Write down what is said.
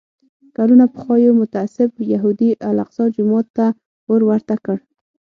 کلونه پخوا یو متعصب یهودي الاقصی جومات ته اور ورته کړ.